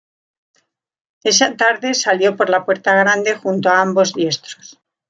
Esa tarde salió por la puerta grande junto a ambos diestros.